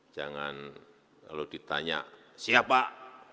jangan kalau ditanya siap pak